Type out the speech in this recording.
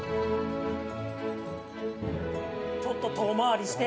ちょっと遠回りして。